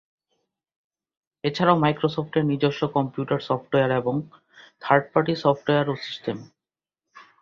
এছাড়াও মাইক্রোসফটের নিজস্ব কম্পিউটার সফটওয়্যার এবং থার্ড পার্টি সফটওয়্যার ও সিস্টেম।